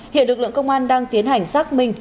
hiện lực lượng công an đang tiến hành xác minh